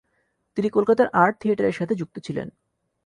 তিনি কলকাতার 'আর্ট থিয়েটারের সাথে যুক্ত ছিলেন।